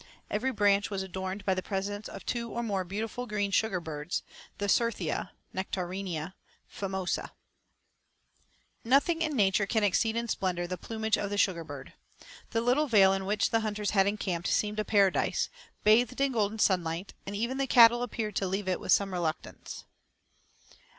Every branch was adorned by the presence of two or more beautiful green sugar birds, the certhia (Nectarinia) famosa. Nothing in nature can exceed in splendour the plumage of the sugar bird. The little vale in which the hunters had encamped seemed a paradise, bathed in golden sunlight; and even the cattle appeared to leave it with some reluctance.